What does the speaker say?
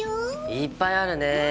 いっぱいあるね。